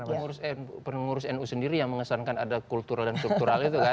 tapi menurut saya kan pengurus nu sendiri yang mengesankan ada kultural dan struktural itu kan